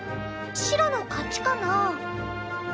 白の勝ちかな？